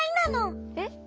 えっ？